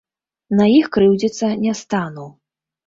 На іх крыўдзіцца не стану.